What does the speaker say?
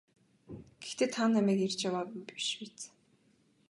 Гэхдээ та намайг эрж яваа юм биш биз?